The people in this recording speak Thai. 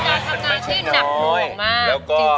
เป็นงานทำงานที่หนักห่วงมาก